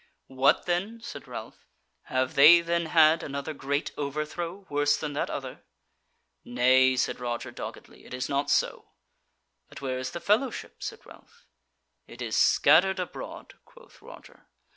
"What then," said Ralph, "have they then had another great overthrow, worse than that other?" "Nay," said Roger doggedly, "it is not so." "But where is the Fellowship?" said Ralph. "It is scattered abroad," quoth Roger.